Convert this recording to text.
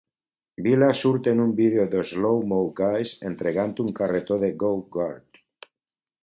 Vila surt en un vídeo d'Slow Mo Guys entregant un carretó de "Go-Gurt".